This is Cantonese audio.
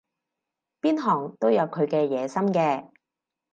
邊行都有佢嘅野心嘅